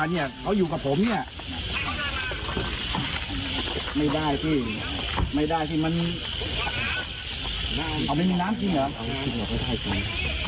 อันเนี่ยเขาอยู่กับผมเนี่ยไม่ได้ที่ไม่ได้ที่มันเอาไปมีน้ำจริงเหรอ